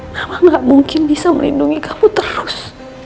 mama gak mungkin bisa melindungi kamu terus